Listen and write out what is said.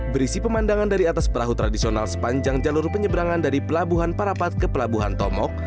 berisi pemandangan dari atas perahu tradisional sepanjang jalur penyeberangan dari pelabuhan parapat ke pelabuhan tomok